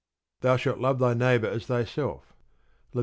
Thou shalt love thy neighbour as thyself (Lev.